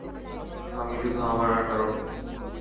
আমি শুধু আমার আর কারো নই।